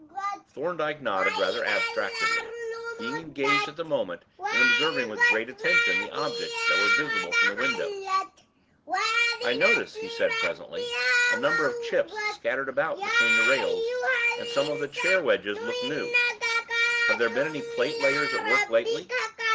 Thorndyke nodded rather abstractedly, being engaged at the moment in observing with great attention the objects that were visible from the windows. "I notice," he remarked presently, "a number of chips scattered about between the rails, and some of the chair wedges look new. Have there been any platelayers at work lately?"